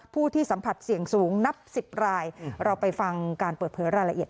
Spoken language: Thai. ผู้ที่สัมผัสเสี่ยงสูงนับสิบรายเราไปฟังการเปิดเผยรายละเอียด